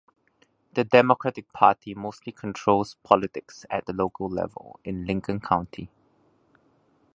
The Democratic Party mostly controls politics at the local level in Lincoln County.